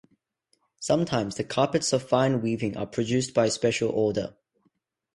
Sometimes the carpets of fine weaving are produced by special order.